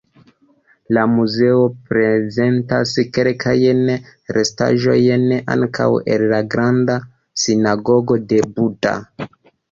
La muzeo prezentas kelkajn restaĵojn ankaŭ el la "granda sinagogo de Buda".